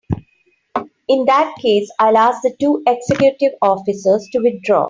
In that case I'll ask the two executive officers to withdraw.